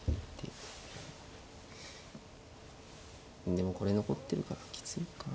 でもこれ残ってるからきついかな。